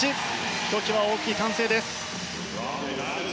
ひときわ大きい歓声です。